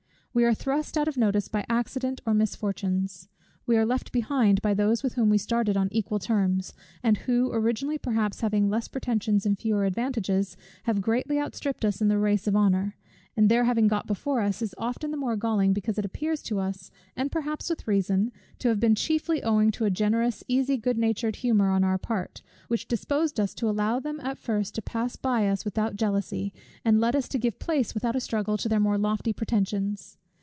We are thrust out of notice by accident or misfortunes. We are left behind by those with whom we started on equal terms, and who, originally perhaps having less pretensions and fewer advantages, have greatly outstripped us in the race of honour: and their having got before us is often the more galling, because it appears to us, and perhaps with reason, to have been chiefly owing to a generous easy good natured humour on our part, which disposed us to allow them at first to pass by us without jealousy, and led us to give place without a struggle to their more lofty pretensions.